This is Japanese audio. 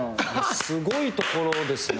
すごいところですね。